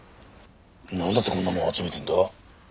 なんだってこんなもの集めてるんだ？